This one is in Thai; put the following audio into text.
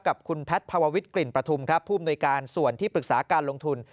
กับคุณแพทย์ภาววิทย์กลิ่นประทุมครับผู้อำนวยการส่วนที่ปรึกษาการลงทุน